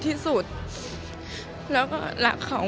เรารู้สึกกันภาพที่ผู้ช่วย